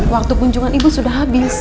waktu kunjungan ibu sudah habis